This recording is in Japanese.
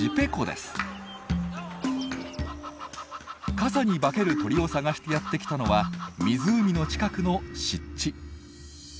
傘に化ける鳥を探してやって来たのは湖の近くの湿地。